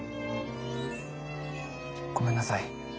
ごめんなさい。